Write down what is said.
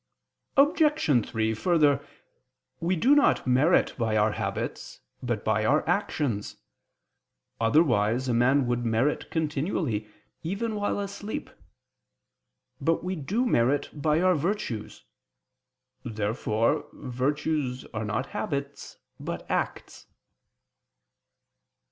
Obj. 3: Further, we do not merit by our habits, but by our actions: otherwise a man would merit continually, even while asleep. But we do merit by our virtues. Therefore virtues are not habits, but acts.